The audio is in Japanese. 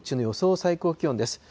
最高気温です。